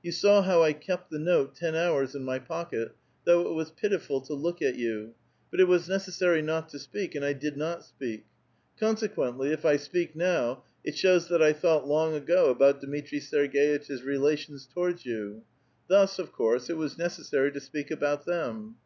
You saw how I kept the note ten hours in m}* pocket, though it was pitiful to look at you ; but it was necessary not to speak, and I did not speak. Consequently, if I speak now, it shows that 1 tlioiight long ago about Dmitri Serg^itch's relations towards you ; thus, of course, it was necessary to speak about them."